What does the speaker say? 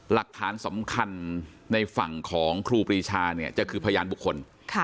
หลักฐานสำคัญในฝั่งของครูปรีชาเนี่ยจะคือพยานบุคคล